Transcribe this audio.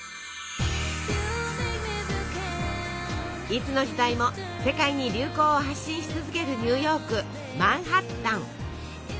いつの時代も世界に流行を発信し続けるニューヨークマンハッタン。